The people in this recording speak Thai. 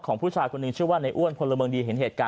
ของผู้ชายคนหนึ่งชื่อว่านโลเมิงดีเห็นเหตุการณ์